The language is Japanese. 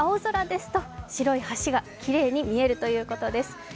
青空ですと白い橋がきれいに見えるということです。